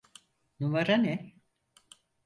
Numara ne?